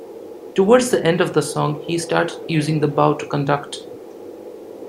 Towards the end of the song, he started using the bow to conduct.